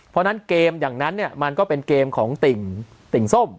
เพราะฉะนั้นเกมอย่างนั้นเนี่ยมันก็เป็นเกมของติ่งติ่งส้ม